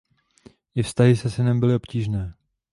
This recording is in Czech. I vztahy se synem byly obtížné.